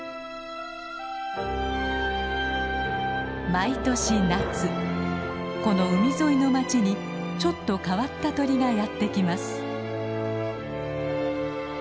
毎年夏この海沿いの町にちょっと変わった鳥がやって来ます。